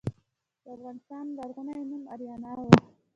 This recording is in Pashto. د افغانستان لرغونی نوم اریانا و